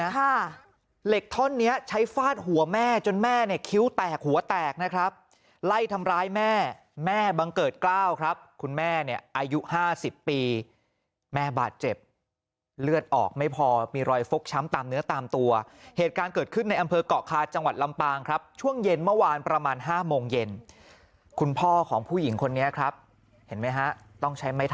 ค่ะเหล็กท่อนเนี้ยใช้ฟาดหัวแม่จนแม่เนี่ยคิ้วแตกหัวแตกนะครับไล่ทำร้ายแม่แม่บังเกิดกล้าวครับคุณแม่เนี่ยอายุห้าสิบปีแม่บาดเจ็บเลือดออกไม่พอมีรอยฟกช้ำตามเนื้อตามตัวเหตุการณ์เกิดขึ้นในอำเภอกเกาะคาจังหวัดลำปางครับช่วงเย็นเมื่อวานประมาณห้าโมงเย็นคุณพ่อของผู้หญิงคนนี้ครับเห็นไหมฮะต้องใช้ไม้ท